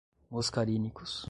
muscarínicos